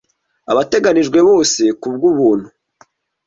abateganijwe bose kubw'ubuntu,